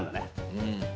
うん。